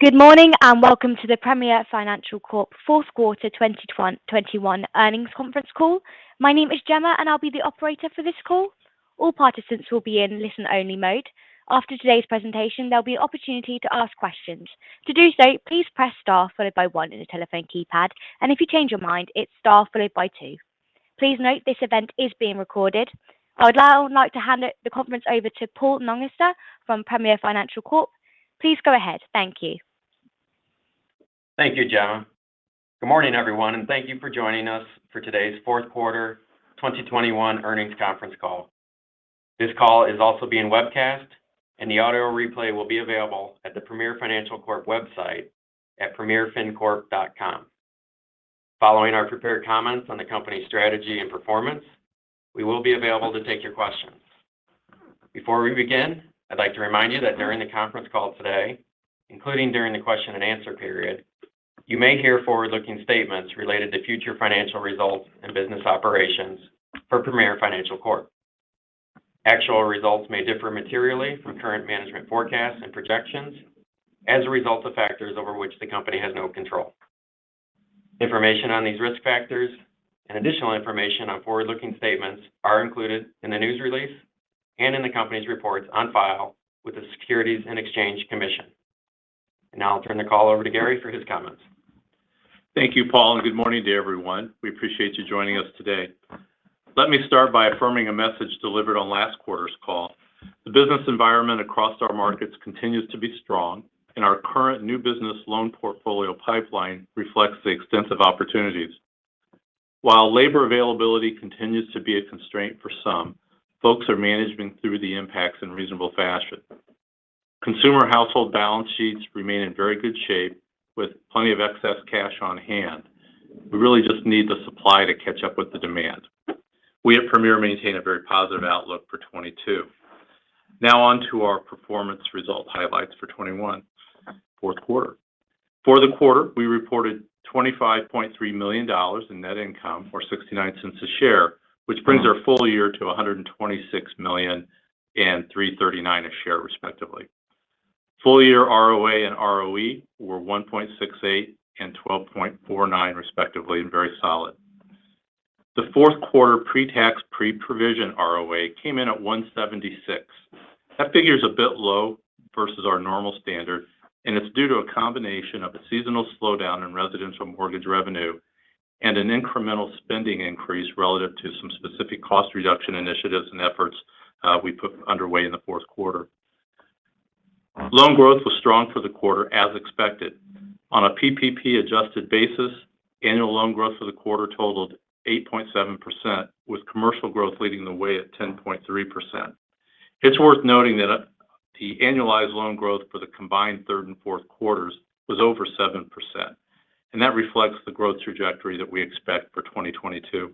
Good morning, and welcome to the Premier Financial Corp. fourth quarter 2021 earnings conference call. My name is Gemma, and I'll be the operator for this call. All participants will be in listen-only mode. After today's presentation, there'll be opportunity to ask questions. To do so, please press star followed by one on your telephone keypad. If you change your mind, it's star followed by two. Please note this event is being recorded. I would now like to hand the conference over to Paul Nungester from Premier Financial Corp. Please go ahead. Thank you. Thank you, Gemma. Good morning, everyone, and thank you for joining us for today's fourth quarter 2021 earnings conference call. This call is also being webcast, and the auto replay will be available at the Premier Financial Corp. website at premierfincorp.com. Following our prepared comments on the company's strategy and performance, we will be available to take your questions. Before we begin, I'd like to remind you that during the conference call today, including during the question and answer period, you may hear forward-looking statements related to future financial results and business operations for Premier Financial Corp. Actual results may differ materially from current management forecasts and projections as a result of factors over which the company has no control. Information on these risk factors and additional information on forward-looking statements are included in the news release and in the company's reports on file with the Securities and Exchange Commission. Now I'll turn the call over to Gary for his comments. Thank you, Paul, and good morning to everyone. We appreciate you joining us today. Let me start by affirming a message delivered on last quarter's call. The business environment across our markets continues to be strong, and our current new business loan portfolio pipeline reflects the extensive opportunities. While labor availability continues to be a constraint for some, folks are managing through the impacts in reasonable fashion. Consumer household balance sheets remain in very good shape with plenty of excess cash on hand. We really just need the supply to catch up with the demand. We at Premier maintain a very positive outlook for 2022. Now on to our performance result highlights for 2021 fourth quarter. For the quarter, we reported $25.3 million in net income, or $0.69 a share, which brings our full year to $126 million and $3.39 a share, respectively. Full year ROA and ROE were 1.68% and 12.49%, respectively, and very solid. The fourth quarter pre-tax, pre-provision ROA came in at 1.76%. That figure is a bit low versus our normal standard, and it's due to a combination of a seasonal slowdown in residential mortgage revenue and an incremental spending increase relative to some specific cost reduction initiatives and efforts we put underway in the fourth quarter. Loan growth was strong for the quarter, as expected. On a PPP-adjusted basis, annual loan growth for the quarter totaled 8.7%, with commercial growth leading the way at 10.3%. It's worth noting that the annualized loan growth for the combined third and fourth quarters was over 7%, and that reflects the growth trajectory that we expect for 2022.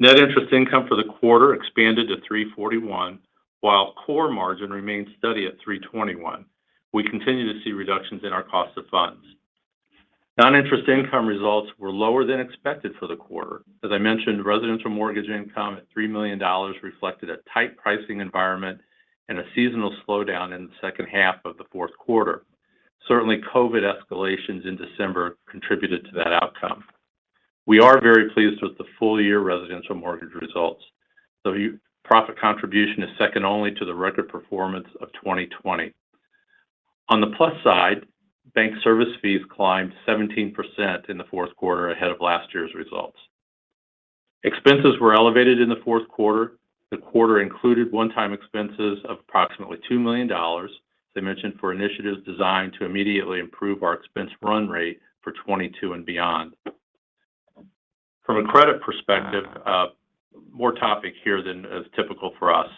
Net interest income for the quarter expanded to $341, while core margin remained steady at 3.21%. We continue to see reductions in our cost of funds. Non-interest income results were lower than expected for the quarter. As I mentioned, residential mortgage income at $3 million reflected a tight pricing environment and a seasonal slowdown in the second half of the fourth quarter. Certainly, COVID escalations in December contributed to that outcome. We are very pleased with the full-year residential mortgage results. The profit contribution is second only to the record performance of 2020. On the plus side, bank service fees climbed 17% in the fourth quarter ahead of last year's results. Expenses were elevated in the fourth quarter. The quarter included one-time expenses of approximately $2 million, as I mentioned, for initiatives designed to immediately improve our expense run rate for 2022 and beyond. From a credit perspective, more topic here than is typical for us.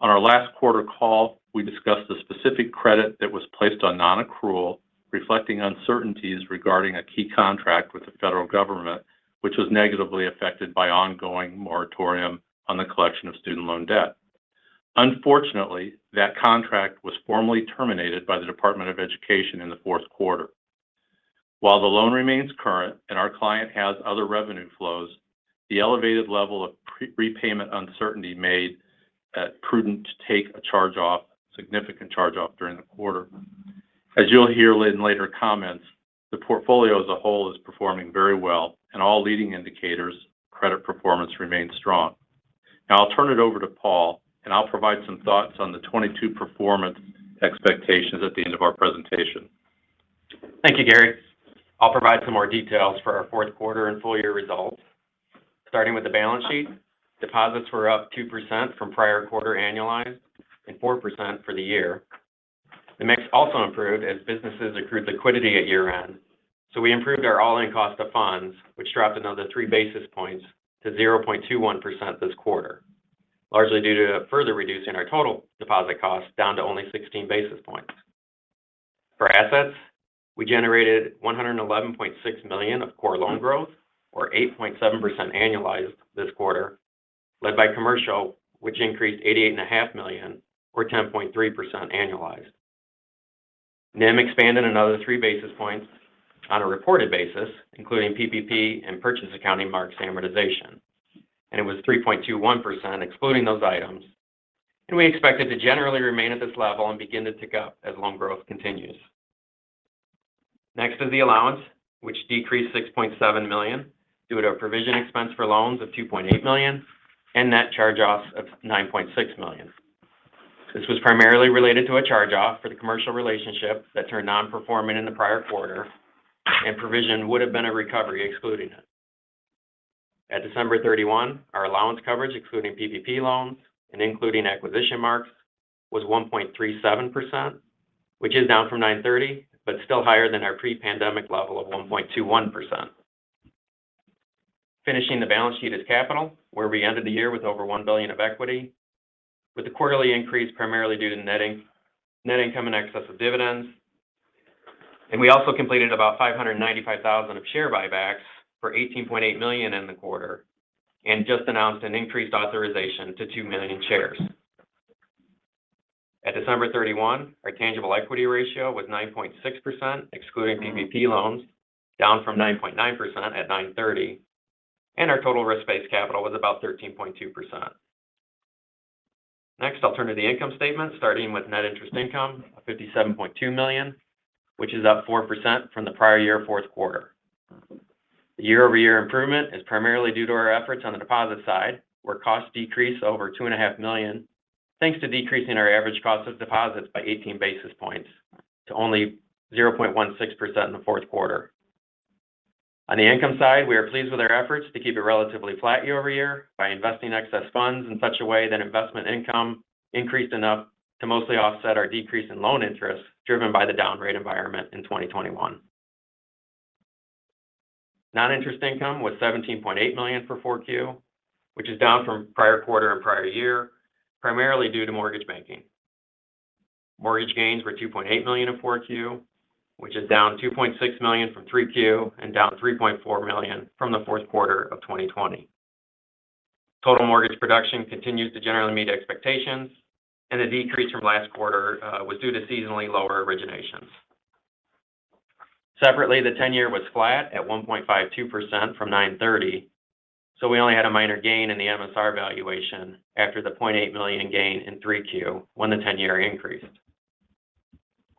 On our last quarter call, we discussed the specific credit that was placed on non-accrual, reflecting uncertainties regarding a key contract with the federal government, which was negatively affected by ongoing moratorium on the collection of student loan debt. Unfortunately, that contract was formally terminated by the Department of Education in the fourth quarter. While the loan remains current and our client has other revenue flows, the elevated level of prepayment uncertainty made it prudent to take a charge-off, a significant charge-off during the quarter. As you'll hear in later comments, the portfolio as a whole is performing very well and all leading indicators credit performance remains strong. Now I'll turn it over to Paul, and I'll provide some thoughts on the 2022 performance expectations at the end of our presentation. Thank you, Gary. I'll provide some more details for our fourth quarter and full year results. Starting with the balance sheet. Deposits were up 2% from prior quarter annualized and 4% for the year. The mix also improved as businesses accrued liquidity at year-end. We improved our all-in cost of funds, which dropped another 3 basis points to 0.21% this quarter, largely due to further reducing our total deposit costs down to only 16 basis points. For assets, we generated $111.6 million of core loan growth or 8.7% annualized this quarter, led by commercial, which increased $88.5 million or 10.3% annualized. NIM expanded another 3 basis points on a reported basis, including PPP and purchase accounting mark amortization. It was 3.21% excluding those items. We expect it to generally remain at this level and begin to tick up as loan growth continues. Next is the allowance, which decreased $6.7 million due to a provision expense for loans of $2.8 million and net charge-offs of $9.6 million. This was primarily related to a charge-off for the commercial relationship that turned non-performing in the prior quarter, and provision would have been a recovery excluding it. At December 31, our allowance coverage, including PPP loans and including acquisition marks, was 1.37%, which is down from 9/30, but still higher than our pre-pandemic level of 1.21%. Finishing the balance sheet is capital, where we ended the year with over $1 billion of equity, with the quarterly increase primarily due to net income in excess of dividends. We also completed about 595,000 of share buybacks for $18.8 million in the quarter and just announced an increased authorization to 2 million shares. At December 31, our tangible equity ratio was 9.6%, excluding PPP loans, down from 9.9% at 9/30, and our total risk-based capital was about 13.2%. Next, I'll turn to the income statement, starting with net interest income of $57.2 million, which is up 4% from the prior year fourth quarter. The year-over-year improvement is primarily due to our efforts on the deposit side, where costs decreased over $2.5 million, thanks to decreasing our average cost of deposits by 18 basis points to only 0.16% in the fourth quarter. On the income side, we are pleased with our efforts to keep it relatively flat year-over-year by investing excess funds in such a way that investment income increased enough to mostly offset our decrease in loan interest, driven by the down rate environment in 2021. Non-interest income was $17.8 million for 4Q, which is down from prior quarter and prior year, primarily due to mortgage banking. Mortgage gains were $2.8 million in 4Q, which is down $2.6 million from 3Q and down $3.4 million from the fourth quarter of 2020. Total mortgage production continues to generally meet expectations, and the decrease from last quarter was due to seasonally lower originations. Separately, the 10-year was flat at 1.52% from 9:30, so we only had a minor gain in the MSR valuation after the $0.8 million gain in 3Q when the 10-year increased.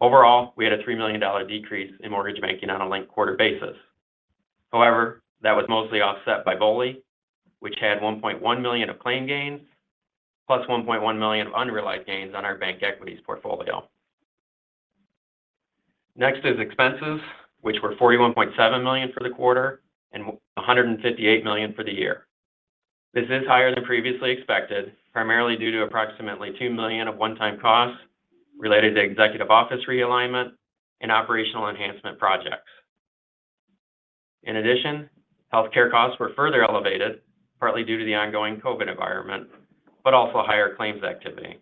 Overall, we had a $3 million decrease in mortgage banking on a linked-quarter basis. However, that was mostly offset by BOLI, which had $1.1 million of claim gains plus $1.1 million of unrealized gains on our bank equities portfolio. Next is expenses, which were $41.7 million for the quarter and $158 million for the year. This is higher than previously expected, primarily due to approximately $2 million of one-time costs related to executive office realignment and operational enhancement projects. In addition, healthcare costs were further elevated, partly due to the ongoing COVID environment, but also higher claims activity.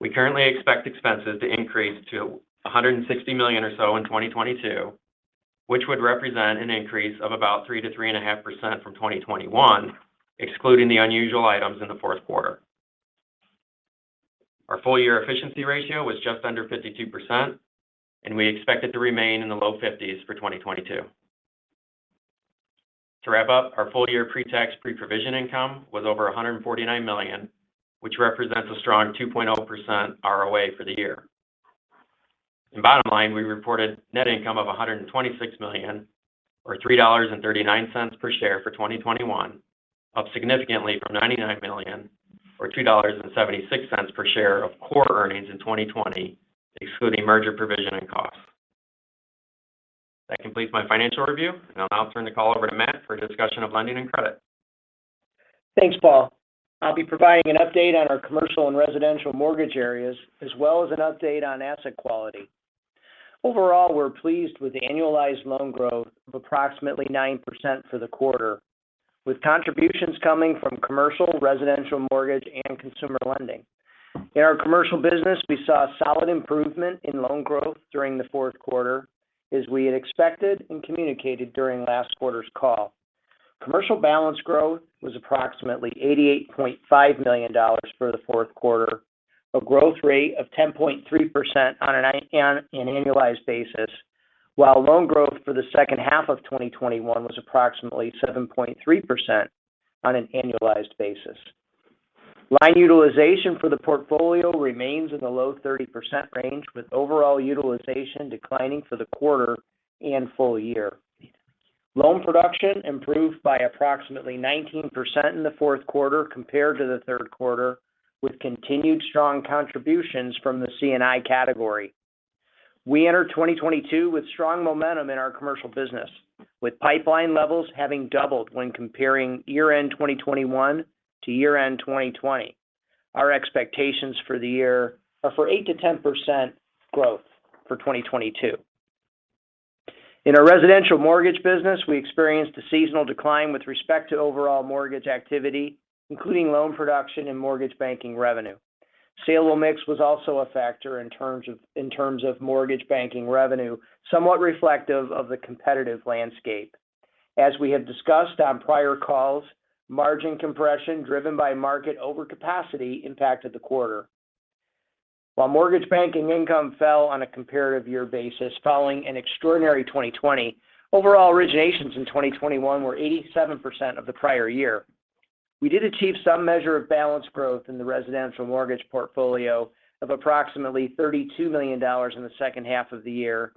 We currently expect expenses to increase to $160 million or so in 2022, which would represent an increase of about 3%-3.5% from 2021, excluding the unusual items in the fourth quarter. Our full year efficiency ratio was just under 52%, and we expect it to remain in the low 50s for 2022. To wrap up, our full year pre-tax, pre-provision income was over $149 million, which represents a strong 2.0% ROA for the year. In bottom line, we reported net income of $126 million, or $3.39 per share for 2021, up significantly from $99 million, or $2.76 per share of core earnings in 2020, excluding merger provision and costs. That completes my financial review, and I'll now turn the call over to Matt for a discussion of lending and credit. Thanks, Paul. I'll be providing an update on our commercial and residential mortgage areas, as well as an update on asset quality. Overall, we're pleased with the annualized loan growth of approximately 9% for the quarter, with contributions coming from commercial, residential mortgage, and consumer lending. In our commercial business, we saw a solid improvement in loan growth during the fourth quarter, as we had expected and communicated during last quarter's call. Commercial balance growth was approximately $88.5 million for the fourth quarter, a growth rate of 10.3% on an annualized basis, while loan growth for the second half of 2021 was approximately 7.3% on an annualized basis. Line utilization for the portfolio remains in the low 30% range, with overall utilization declining for the quarter and full year. Loan production improved by approximately 19% in the fourth quarter compared to the third quarter, with continued strong contributions from the C&I category. We enter 2022 with strong momentum in our commercial business, with pipeline levels having doubled when comparing year-end 2021 to year-end 2020. Our expectations for the year are for 8%-10% growth for 2022. In our residential mortgage business, we experienced a seasonal decline with respect to overall mortgage activity, including loan production and mortgage banking revenue. Saleable mix was also a factor in terms of mortgage banking revenue, somewhat reflective of the competitive landscape. As we have discussed on prior calls, margin compression driven by market overcapacity impacted the quarter. While mortgage banking income fell on a comparative year basis following an extraordinary 2020, overall originations in 2021 were 87% of the prior year. We did achieve some measure of balance growth in the residential mortgage portfolio of approximately $32 million in the second half of the year,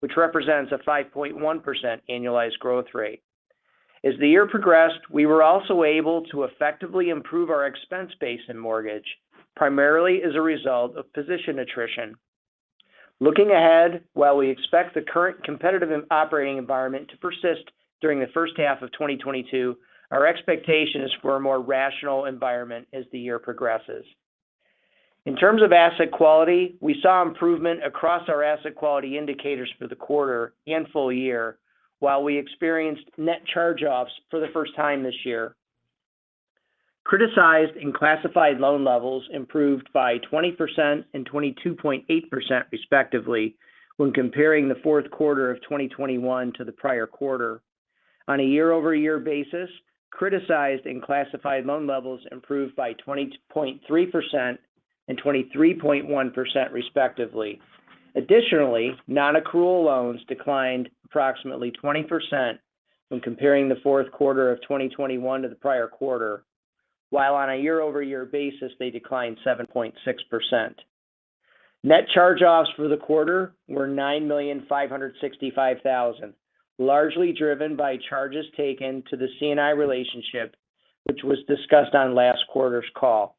which represents a 5.1% annualized growth rate. As the year progressed, we were also able to effectively improve our expense base in mortgage, primarily as a result of position attrition. Looking ahead, while we expect the current competitive and operating environment to persist during the first half of 2022, our expectation is for a more rational environment as the year progresses. In terms of asset quality, we saw improvement across our asset quality indicators for the quarter and full year, while we experienced net charge-offs for the first time this year. Criticized and classified loan levels improved by 20% and 22.8% respectively when comparing the fourth quarter of 2021 to the prior quarter. On a year-over-year basis, criticized and classified loan levels improved by 20.3% and 23.1% respectively. Additionally, non-accrual loans declined approximately 20% when comparing the fourth quarter of 2021 to the prior quarter. While on a year-over-year basis, they declined 7.6%. Net charge-offs for the quarter were $9,565,000, largely driven by charges taken to the C&I relationship, which was discussed on last quarter's call.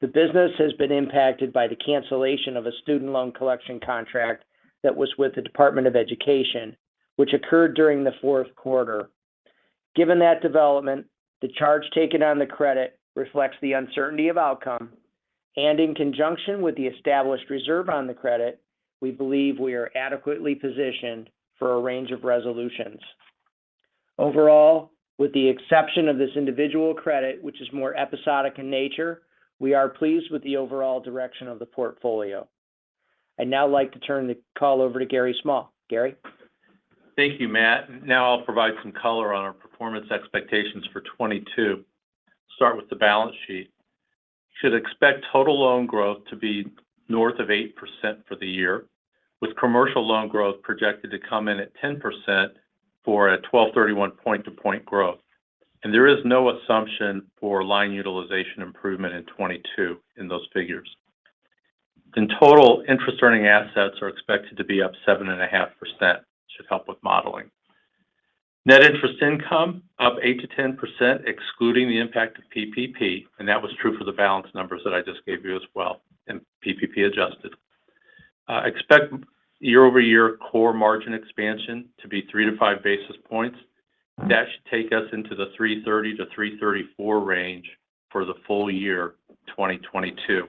The business has been impacted by the cancellation of a student loan collection contract that was with the Department of Education, which occurred during the fourth quarter. Given that development, the charge taken on the credit reflects the uncertainty of outcome, and in conjunction with the established reserve on the credit, we believe we are adequately positioned for a range of resolutions. Overall, with the exception of this individual credit, which is more episodic in nature, we are pleased with the overall direction of the portfolio. I'd now like to turn the call over to Gary Small. Gary? Thank you, Matt. Now I'll provide some color on our performance expectations for 2022. Start with the balance sheet. Should expect total loan growth to be north of 8% for the year, with commercial loan growth projected to come in at 10% for a 12/31 point-to-point growth. There is no assumption for line utilization improvement in 2022 in those figures. In total, interest-earning assets are expected to be up 7.5%. Should help with modeling. Net interest income up 8%-10%, excluding the impact of PPP, and that was true for the balance numbers that I just gave you as well, and PPP adjusted. Expect year-over-year core margin expansion to be 3-5 basis points. That should take us into the 3.30-3.34 range for the full year 2022.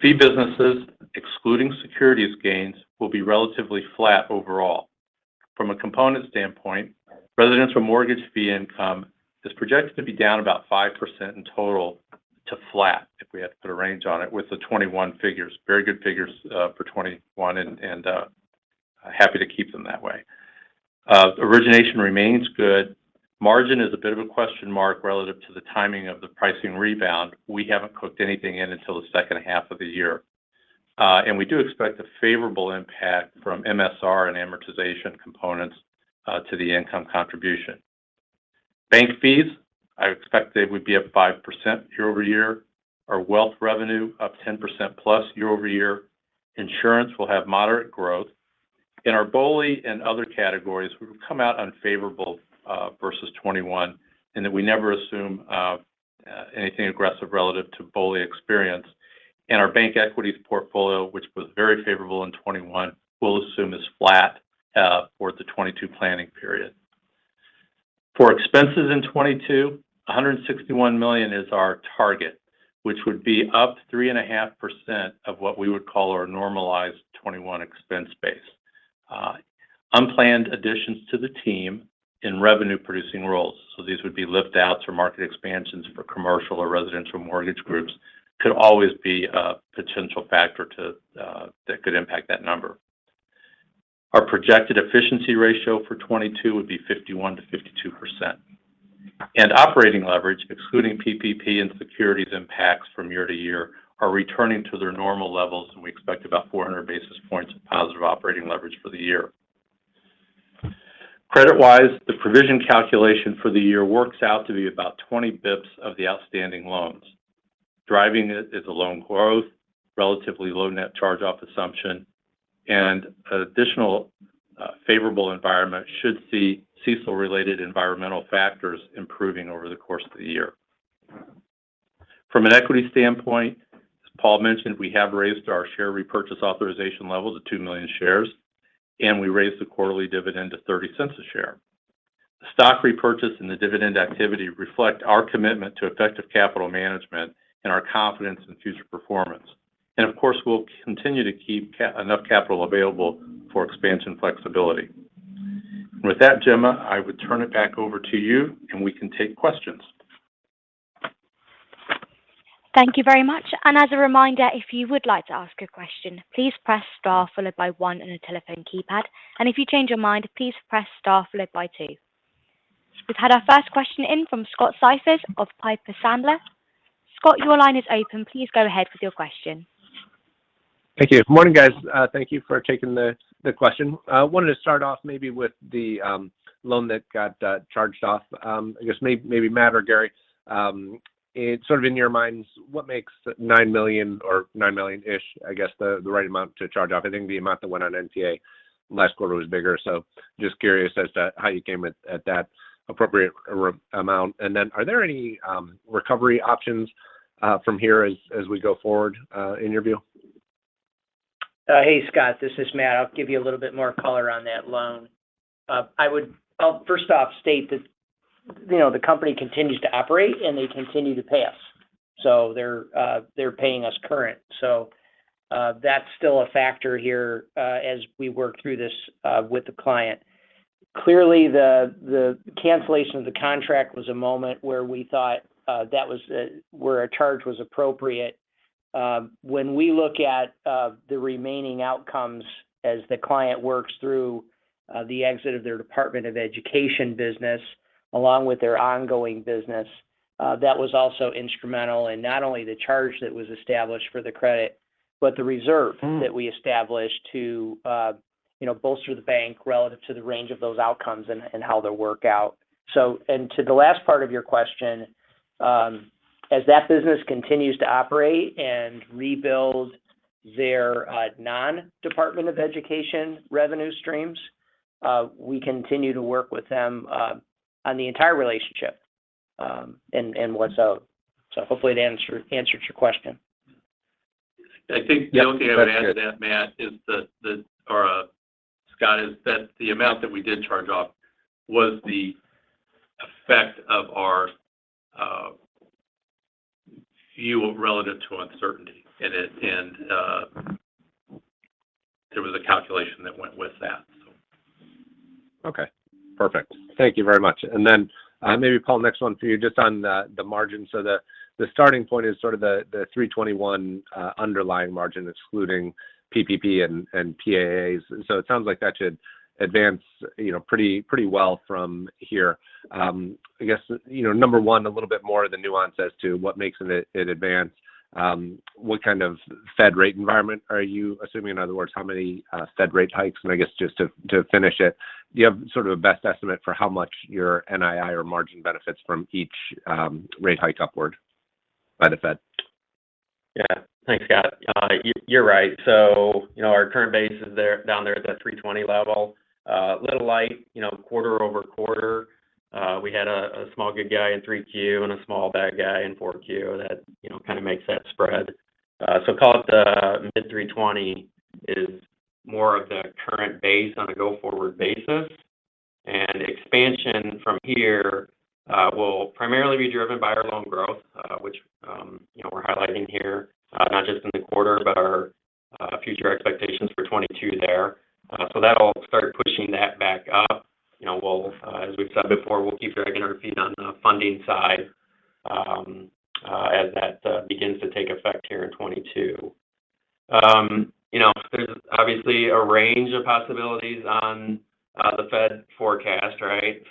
Fee businesses, excluding securities gains, will be relatively flat overall. From a component standpoint, residential mortgage fee income is projected to be down about 5% in total to flat if we had to put a range on it with the 2021 figures. Very good figures for 2021 and happy to keep them that way. Origination remains good. Margin is a bit of a question mark relative to the timing of the pricing rebound. We haven't cooked anything in until the second half of the year. We do expect a favorable impact from MSR and amortization components to the income contribution. Bank fees, I expect they would be up 5% year-over-year, our wealth revenue up 10%+ year-over-year. Insurance will have moderate growth. In our BOLI and other categories, we would come out unfavorable versus 2021 in that we never assume anything aggressive relative to BOLI experience. Our bank equities portfolio, which was very favorable in 2021, we'll assume is flat for the 2022 planning period. For expenses in 2022, $161 million is our target, which would be up 3.5% of what we would call our normalized 2021 expense base. Unplanned additions to the team in revenue-producing roles. These would be lift outs or market expansions for commercial or residential mortgage groups could always be a potential factor to that could impact that number. Our projected efficiency ratio for 2022 would be 51%-52%. Operating leverage, excluding PPP and securities impacts from year to year, are returning to their normal levels, and we expect about 400 basis points of positive operating leverage for the year. Credit-wise, the provision calculation for the year works out to be about 20 basis points of the outstanding loans. Driving it is a loan growth, relatively low net charge-off assumption, and additional, favorable environment should see CECL-related environmental factors improving over the course of the year. From an equity standpoint, as Paul mentioned, we have raised our share repurchase authorization level to 2 million shares, and we raised the quarterly dividend to $0.30 a share. The stock repurchase and the dividend activity reflect our commitment to effective capital management and our confidence in future performance. Of course, we'll continue to keep enough capital available for expansion flexibility. With that, Gemma, I would turn it back over to you, and we can take questions. Thank you very much. As a reminder, if you would like to ask a question, please press star followed by one on your telephone keypad. If you change your mind, please press star followed by two. We've had our first question in from Scott Siefers of Piper Sandler. Scott, your line is open. Please go ahead with your question. Thank you. Morning, guys. Thank you for taking the question. I wanted to start off maybe with the loan that got charged off. I guess maybe Matt or Gary. Sort of in your minds, what makes $9 million or $9 million-ish, I guess, the right amount to charge off? I think the amount that went on non-accrual last quarter was bigger. Just curious as to how you came at that appropriate amount. Are there any recovery options from here as we go forward in your view? Hey, Scott. This is Matt. I'll give you a little bit more color on that loan. I'll first off state that, you know, the company continues to operate and they continue to pay us. They're paying us current. That's still a factor here as we work through this with the client. Clearly, the cancellation of the contract was a moment where we thought that was where a charge was appropriate. When we look at the remaining outcomes as the client works through the exit of their Department of Education business along with their ongoing business, that was also instrumental in not only the charge that was established for the credit, but the reserve- Mm. That we established to, you know, bolster the bank relative to the range of those outcomes and how they'll work out. To the last part of your question, as that business continues to operate and rebuild their non-Department of Education revenue streams, we continue to work with them on the entire relationship, and what's owed. Hopefully that answered your question. Yeah. That's good. I think the only thing I'd add to that, Matt, is that or Scott, is that the amount that we did charge off was the effect of our view relative to uncertainty. There was a calculation that went with that, so. Okay. Perfect. Thank you very much. Yeah. Maybe Paul, next one for you just on the margin. The starting point is sort of the 3.21% underlying margin excluding PPP and PAAs. It sounds like that should advance, you know, pretty well from here. I guess, you know, number one, a little bit more of the nuance as to what makes it advance. What kind of Fed rate environment are you assuming? In other words, how many Fed rate hikes? And I guess just to finish it, do you have sort of a best estimate for how much your NII or margin benefits from each rate hike upward by the Fed? Yeah. Thanks, Scott. You're right. You know, our current base is there, down there at that 3.20% level. A little light, you know, quarter-over-quarter. We had a small good guy in 3Q and a small bad guy in 4Q that, you know, kind of makes that spread. Call it mid-3.20% is more of the current base on a go-forward basis. Expansion from here will primarily be driven by our loan growth, which, you know, we're highlighting here, not just in the quarter, but our future expectations for 2022 there. That'll start pushing that back up. You know, as we've said before, we'll keep an eye on the funding side as that begins to take effect here in 2022. You know, there's obviously a range of possibilities on the Fed forecast, right?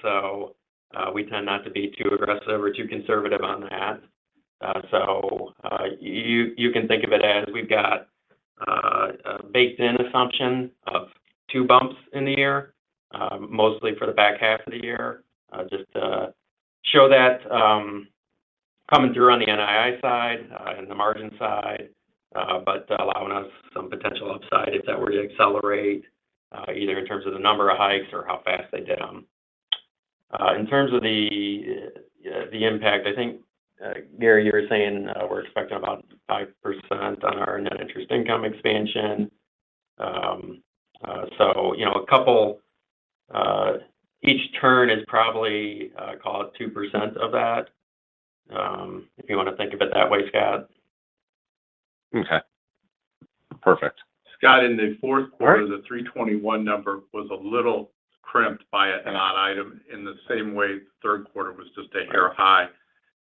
We tend not to be too aggressive or too conservative on that. You can think of it as we've got a baked-in assumption of two bumps in the year, mostly for the back half of the year. Just to show that coming through on the NII side and the margin side, but allowing us some potential upside if that were to accelerate, either in terms of the number of hikes or how fast they did them. In terms of the impact, I think Gary, you were saying we're expecting about 5% on our net interest income expansion. You know, each turn is probably call it 2% of that, if you want to think of it that way, Scott. Okay. Perfect. Scott, in the fourth quarter. Sorry. The 3.21 number was a little crimped by a one-time item in the same way the third quarter was just a hair high.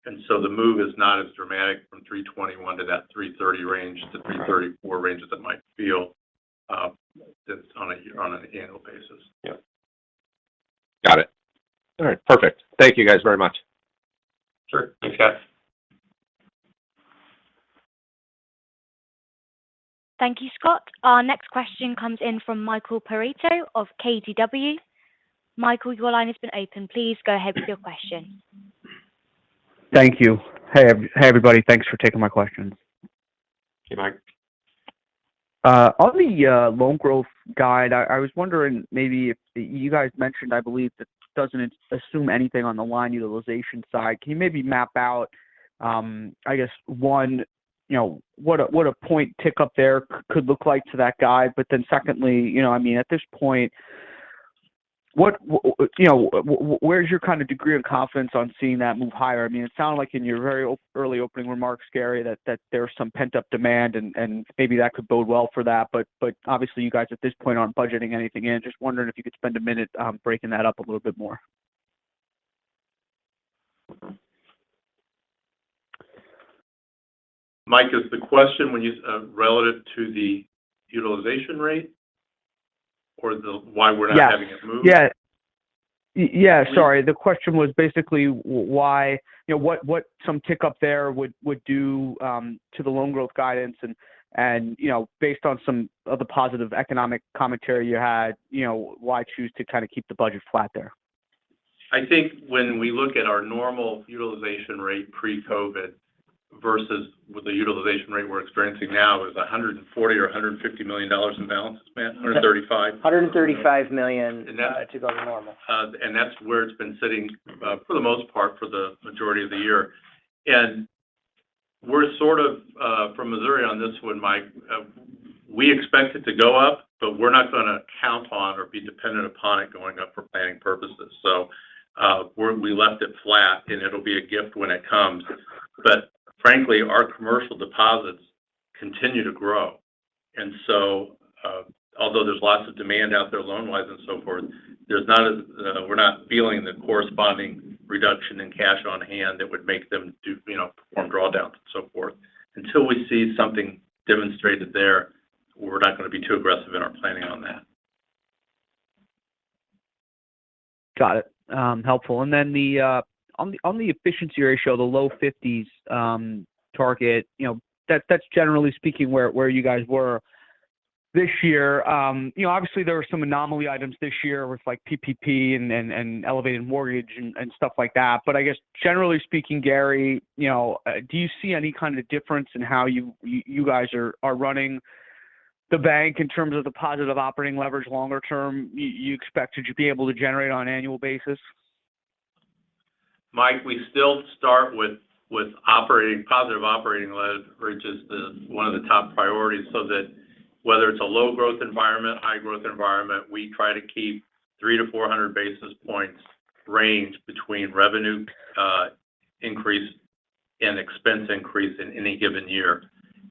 The move is not as dramatic from 3.21 to that 3.30 range. Okay. To 3.34 range as it might feel, just on an annual basis. Yeah. Got it. All right. Perfect. Thank you, guys, very much. Sure. Thanks, Scott. Thank you, Scott. Our next question comes in from Michael Perito of KBW. Michael, your line has been opened. Please go ahead with your question. Thank you. Hey, everybody. Thanks for taking my questions. Hey, Mike. On the loan growth guide, I was wondering maybe if you guys mentioned, I believe, that it doesn't assume anything on the line utilization side. Can you maybe map out, I guess, one, you know, what a point tick up there could look like to that guide? But then secondly, you know, I mean, at this point, what, you know, where's your kind of degree of confidence on seeing that move higher? I mean, it sounded like in your very early opening remarks, Gary, that there's some pent-up demand and maybe that could bode well for that. But obviously you guys at this point aren't budgeting anything in. Just wondering if you could spend a minute breaking that up a little bit more. Mike, is the question relative to the utilization rate or the why we're not having it move? Yes. Yeah. Yeah. Sorry. Please. The question was basically why, you know, what some tick up there would do to the loan growth guidance and, you know, based on some of the positive economic commentary you had, you know, why choose to kind of keep the budget flat there? I think when we look at our normal utilization rate pre-COVID versus with the utilization rate we're experiencing now is $140 million or $150 million in balances, Matt, $135 million? A hundred and thirty-five million- And that- To go to normal. That's where it's been sitting, for the most part for the majority of the year. We're sort of from Missouri on this one, Mike. We expect it to go up, but we're not gonna count on or be dependent upon it going up for planning purposes. We left it flat, and it'll be a gift when it comes. Frankly, our commercial deposits continue to grow. Although there's lots of demand out there loan-wise and so forth, there's not as, we're not feeling the corresponding reduction in cash on hand that would make them do, you know, perform drawdowns and so forth. Until we see something demonstrated there, we're not gonna be too aggressive in our planning on that. Got it. Helpful. Then on the efficiency ratio, the low 50s target, you know, that's generally speaking where you guys were this year. You know, obviously there were some anomaly items this year with like PPP and elevated mortgage and stuff like that. But I guess generally speaking, Gary, you know, do you see any kind of difference in how you guys are running the bank in terms of the positive operating leverage longer term you expect would you be able to generate on an annual basis? Mike, we still start with positive operating leverage is one of the top priorities so that whether it's a low growth environment, high growth environment, we try to keep 300-400 basis points range between revenue increase and expense increase in any given year.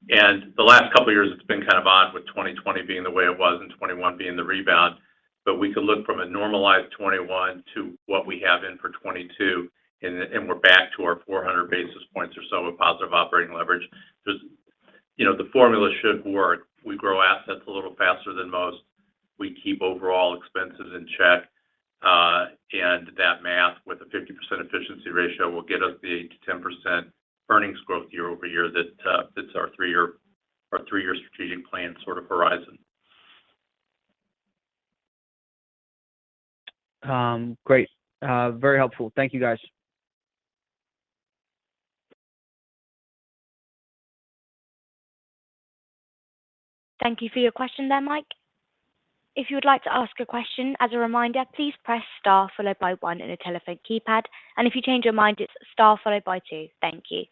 The last couple of years it's been kind of odd with 2020 being the way it was and 2021 being the rebound. We could look from a normalized 2021 to what we have in for 2022, and we're back to our 400 basis points or so of positive operating leverage. You know, the formula should work. We grow assets a little faster than most. We keep overall expenses in check. That math with a 50% efficiency ratio will get us the 8%-10% earnings growth year-over-year that fits our 3-year strategic plan sort of horizon. Great. Very helpful. Thank you, guys. Thank you for your question there, Mike. If you would like to ask a question, as a reminder, please press star followed by one on your telephone keypad. If you change your mind, it's star followed by two. Thank you.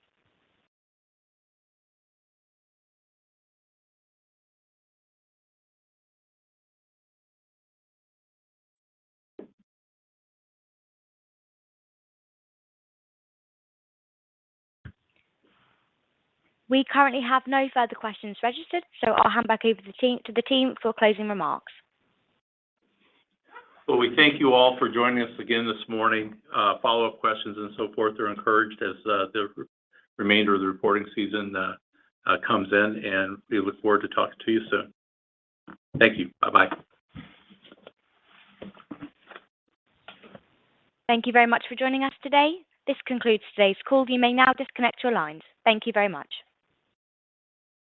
We currently have no further questions registered, so I'll hand back over to the team for closing remarks. Well, we thank you all for joining us again this morning. Follow-up questions and so forth are encouraged as the remainder of the reporting season comes in, and we look forward to talking to you soon. Thank you. Bye-bye. Thank you very much for joining us today. This concludes today's call. You may now disconnect your lines. Thank you very much.